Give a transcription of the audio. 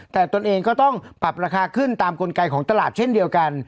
แต่ตนเองก็ต้องปรับราคาขึ้นตามกลไกของตลาดเช่นเดียวกัน